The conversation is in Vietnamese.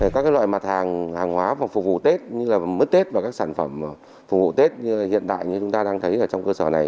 các loại mặt hàng hàng hóa phục vụ tết như là mứt tết và các sản phẩm phục vụ tết như hiện tại như chúng ta đang thấy ở trong cơ sở này